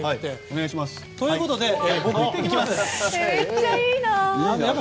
ということで僕、行ってきます。